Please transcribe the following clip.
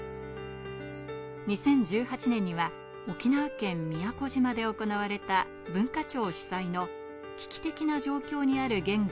２０１８年には沖縄県宮古島で行われた文化庁主催の危機的な状況にある言語